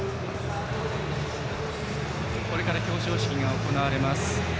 これから表彰式が行われます。